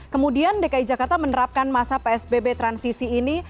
kemudian dki jakarta menerapkan masa psbb transisi ini